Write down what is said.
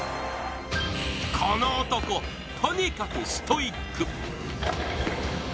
この男、とにかくストイック。